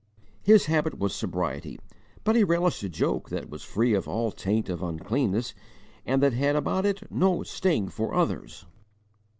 His habit was sobriety, but he relished a joke that was free of all taint of uncleanness and that had about it no sting for others.